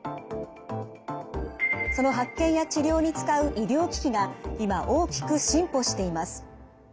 その発見や治療に使う医療機器が今大きく進歩しています。